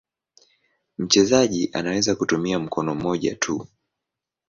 Mchezaji anaweza kutumia mkono mmoja tu.